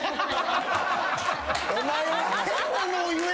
お前は変なのを言え！